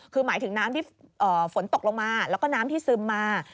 คือหมายถึงน้ำที่ฝนตกลงมาแล้วก็น้ำที่ซึมมา